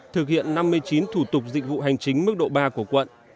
thực hiện năm mươi chín thủ tục dịch vụ hành chính mức độ ba của quận